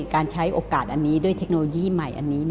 การใช้โอกาสอันนี้ด้วยเทคโนโลยีใหม่อันนี้